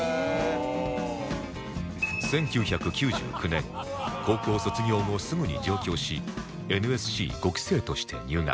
１９９９年高校卒業後すぐに上京し ＮＳＣ５ 期生として入学